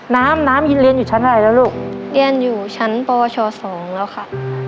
น้ำน้ำเรียนอยู่ชั้นอะไรแล้วลูกเรียนอยู่ชั้นปชสองแล้วค่ะ